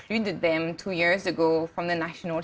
dua tahun lalu dari kondisi nasional